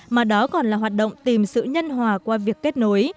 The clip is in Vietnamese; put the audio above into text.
mà đó còn là hoạt động tìm sự nhân hòa qua việc kết nối